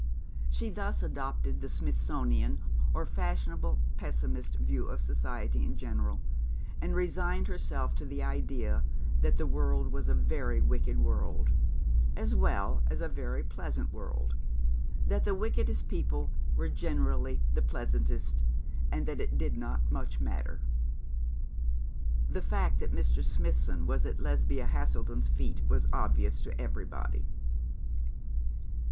She thus adopted the Smithsonian, or fashionable pessimist view of society in general, and resigned herself to the idea that the world was a very wicked world, as well as a very pleasant world, that the wickedest people were generally the pleasantest, and that it did not much matter. The fact that Mr. Smithson was at Lesbia Haselden's feet was obvious to everybody.